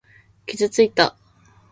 傷ついた。